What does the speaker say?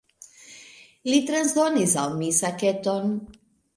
Li transdonis al mi saketon.